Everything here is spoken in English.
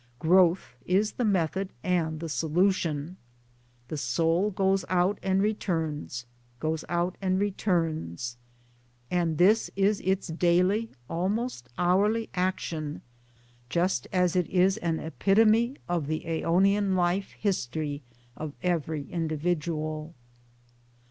Growth is the method and the solution. The soul goes out and returns, goes out and returns ; and this is its daily, almost hourly, action just as it is an epitome of the aeonian life history of every individual.